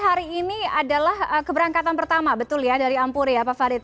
hari ini adalah keberangkatan pertama betul ya dari ampuri ya pak farid